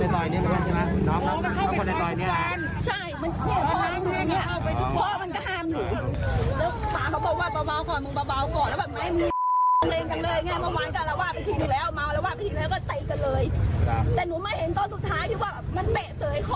ตอนนี้เธอไปรับบอกเลย